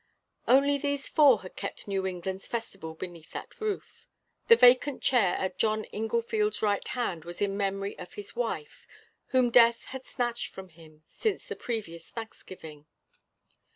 Only these four had kept New England's festival beneath that roof. The vacant chair at John Inglefield's right hand was in memory of his wife, whom death had snatched from him since the previous Thanksgiving.